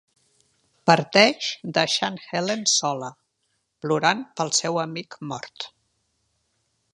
Parteix deixant Helen sola, plorant pel seu amic mort.